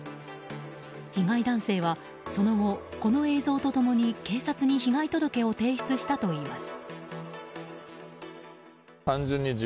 被害男性はその後、この映像と共に警察に被害届を提出したといいます。